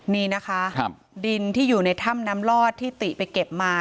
นี่นะคะดินที่อยู่ในถ้ำน้ำลอดที่ติไปเก็บมา